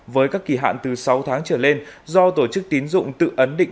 với các kỳ hạn từ sáu tháng trở lên do tổ chức tín dụng tự ấn định